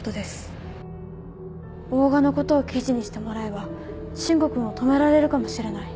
大賀のことを記事にしてもらえば伸吾君を止められるかもしれない。